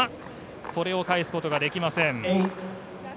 これを返すことができません。